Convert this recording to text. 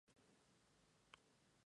La sede del condado es Llano.